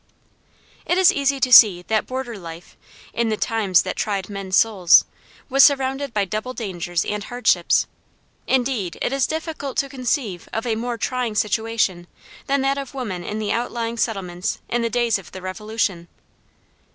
It is easy to see that border life in "the times that tried men's souls" was surrounded by double dangers and hardships. Indeed it is difficult to conceive of a more trying situation than that of woman in the outlying settlements in the days of the Revolution.